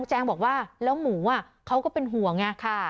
แล้วแจ้งบอกว่าแล้วหมูอ่ะเขาก็เป็นห่วงน่ะค่ะ